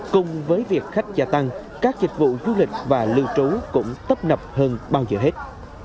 cùng với việc khách gia tăng các dịch vụ du lịch và lưu trú cũng tấp nập hơn bao giờ hết